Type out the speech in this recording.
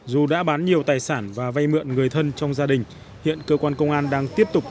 dù đã bán nhiều tài sản và vay mượn người thân trong gia đình hiện cơ quan công an đang tiếp tục